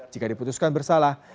jika diputuskan bersalah